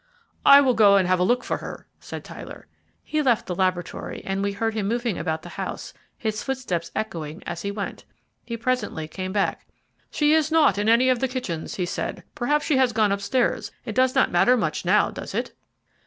"I will go and have a look for her," said Tyler. He left the laboratory, and we heard him moving about the house, his footsteps echoing as he went. He presently came back. "She is not in any of the kitchens," he said. "Perhaps she has gone upstairs it does not matter much now, does it?"